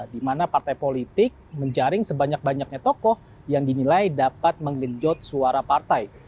di mana partai politik menjaring sebanyak banyaknya tokoh yang dinilai dapat menggenjot suara partai